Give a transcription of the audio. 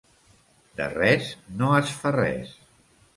De res no es fa res.